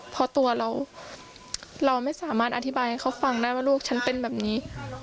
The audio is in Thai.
เพราะตัวเราเราไม่สามารถอธิบายให้เขาฟังได้ว่าลูกฉันเป็นแบบนี้